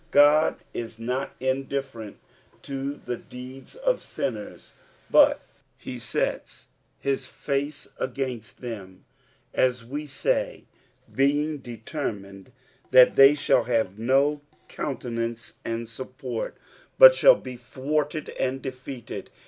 Ood is not indifferent to the deeds of sinners, but he sets bis face against them, as we say, being 140 ESPOSITIOSB OF THE PSALUS. detenrnned that the; Bhall have uo countenance and support, but shall be thwarted and defeated.